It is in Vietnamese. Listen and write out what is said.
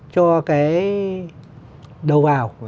cho cái đầu vào